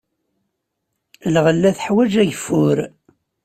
Lɣella teḥwaj ageffur.